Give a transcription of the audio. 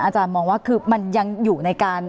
อาจารย์มองว่าคือมันยังอยู่ในการ